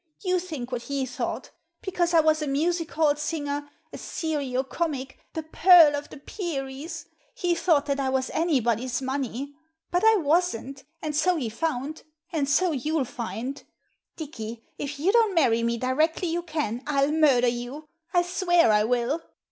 You think what he thought. Because I was a music hall singer — a serio comic — the Pearl of the Peris — ^he thought that I was anybody's money. But I wasn't, and so he found — and so you'll find! Dicky, if you don't marry me directly you can, I'll murder you — I swear I will!"